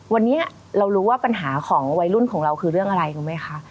วันนี้เรารู้ว่าปัญหาของวัยรุ่นของเราคือเรื่องอะไรรู้ไหมคะ